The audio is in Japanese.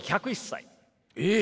１０１歳！？